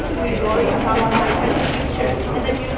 พวกมันจัดสินค้าที่๑๙นาที